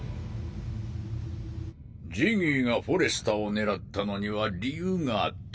ジギーがフォレスタを狙ったのには理由があった。